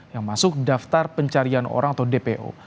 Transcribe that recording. yang masuk daftar pencarian orang atau dpo